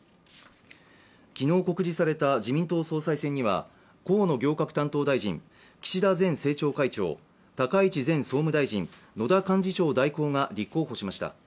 昨日告示された自民党総裁選には河野行革担当大臣、岸田前政調会長高市前総務大臣、野田幹事長代行が立候補しました。